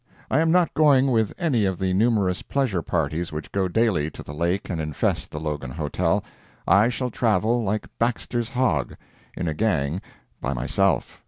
I am not going with any of the numerous pleasure parties which go daily to the lake and infest the Logan Hotel. I shall travel like Baxter's hog—in a gang by myself.